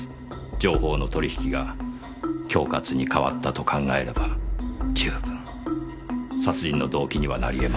情報の取引が恐喝に変わったと考えれば十分殺人の動機にはなりえます。